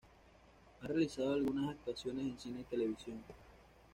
Ha realizado algunas actuaciones en cine y televisión.